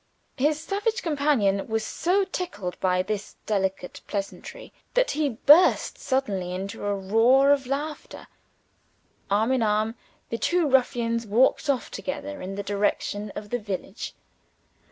His savage companion was so tickled by this delicate pleasantry that he burst suddenly into a roar of laughter. Arm in arm, the two ruffians walked off together in the direction of the village.